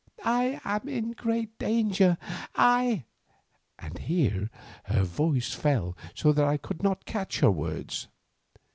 I am in great danger. I—" and here her voice fell so that I could not catch her words.